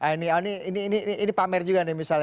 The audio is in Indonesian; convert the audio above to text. ini pamer juga nih misalnya